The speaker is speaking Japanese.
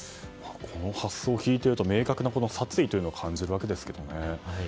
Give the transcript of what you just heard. この発想を聞いていると明確な殺意を感じるわけですけどね。